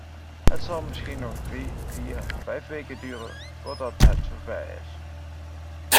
Het zal misschien nog drie, vier, vijf weken duren voordat het zover is.